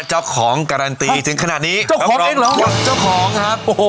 เจ้าของการันตีถึงขนาดนี้เจ้าของเองเหรอเจ้าของครับ